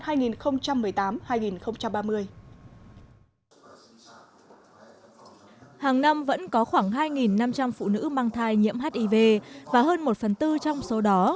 hàng năm vẫn có khoảng hai năm trăm linh phụ nữ mang thai nhiễm hiv và hơn một phần tư trong số đó